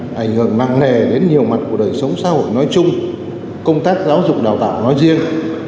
ảnh hưởng nặng nề đến nhiều mặt của đời sống xã hội nói chung công tác giáo dục đào tạo nói riêng